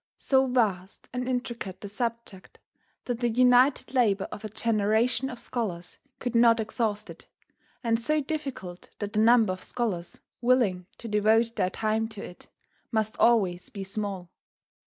So vast and intricate the subject that the united labour of a generation of scholars could not exhaust it, and so difficult that the number of scholars willing to devote their time to it must always be small.